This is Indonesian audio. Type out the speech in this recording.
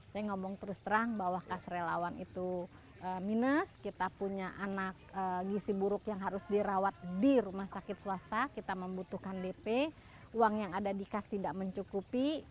saya ngomong terus terang bahwa kas relawan itu minus kita punya anak gisi buruk yang harus dirawat di rumah sakit swasta kita membutuhkan dp uang yang ada di kas tidak mencukupi